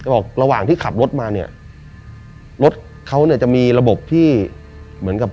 บอกระหว่างที่ขับรถมาเนี่ยรถเขาเนี่ยจะมีระบบที่เหมือนกับ